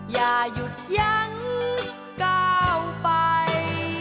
อย่าหยุดยั้งก้าวไป